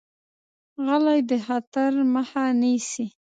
غلی، د خطر مخه نیسي.